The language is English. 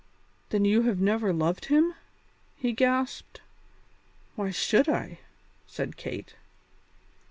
"Then you have never loved him?" he gasped. "Why should I?" said Kate.